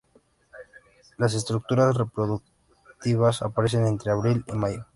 Las estructuras reproductivas aparecen entre abril y mayo.